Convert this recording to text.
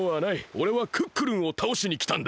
おれはクックルンをたおしにきたんだ！